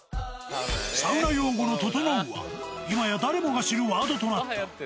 サウナ用語のととのうは、今や、誰もが知るワードとなった。